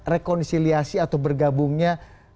rekonsiliasi atau bergabungnya